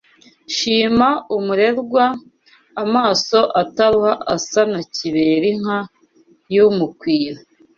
Shima umurerwa amaso ataruha Asa na kiberinka y’umukwira